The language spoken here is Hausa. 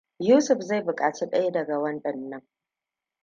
Yusuf zai buƙaci ɗaya daga waɗannan.